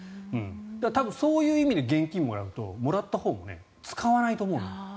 多分、そういう意味で現金をもらうともらったほうも使わないと思う。